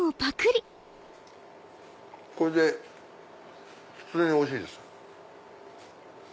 これで普通においしいです。